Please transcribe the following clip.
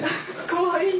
かわいい。